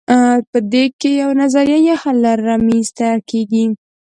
په دې کې یوه نظریه یا حل لاره رامیینځته کیږي.